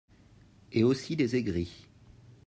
Et aussi des aigris